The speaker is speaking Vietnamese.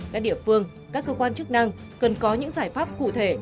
các địa phương các cơ quan chức năng cần có những giải pháp cụ thể